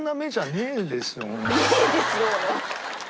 「ねえですよ」。